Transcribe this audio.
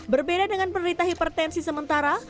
berbeda dengan penderita hipertensi sementara